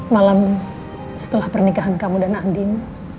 malam setelah pernikahan kamu dan nanding